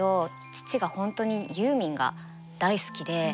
父が本当にユーミンが大好きで。